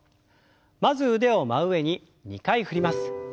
まず腕を真上に２回振ります。